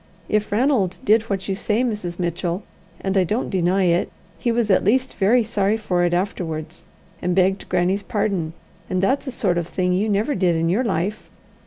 If Ranald did what you say, Mrs. Mitchell, and I don't deny it, he was at least very sorry for it afterwards, and begged grannie's pardon; and that's a sort of thing you never did in your life."